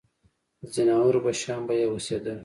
د ځناورو په شان به یې اوسېدل.